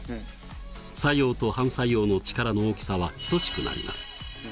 作用と反作用の力の大きさは等しくなります。